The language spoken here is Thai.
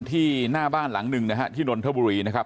ที่หน้าบ้านหลังหนึ่งนะฮะที่นนทบุรีนะครับ